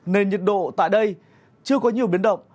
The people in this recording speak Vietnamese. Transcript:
nên nhiệt độ tại đây chưa có nhiều biến động